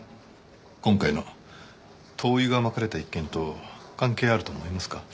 今回の灯油が撒かれた一件と関係あると思いますか？